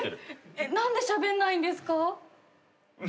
何でしゃべんないんですか？